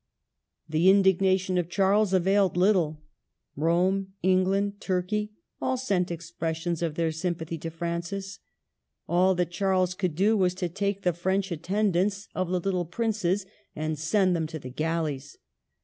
The indignation of Charles availed little. Rome, England, Turkey, all sent expressions of their sympathy to Francis. All that Charles could do was to take the French attendants of I20 MARGARET OF ANGOUL^ME. the little princes and send them to the galleys.